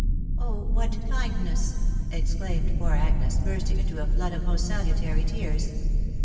" Oh ! what kindness !" exclaimed poor Agnes, bursting into a flood of most salutary tears.